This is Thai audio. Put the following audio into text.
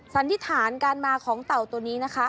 สันนิษฐานการมาของเต่าตัวนี้นะคะ